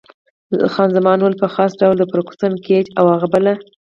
خان زمان وویل: په خاص ډول فرګوسن، ګېج او هغه بله.